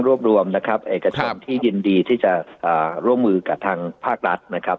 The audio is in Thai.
รวบรวมนะครับที่ยินดีที่จะอ่าร่วมมือกับทางภาครัฐนะครับ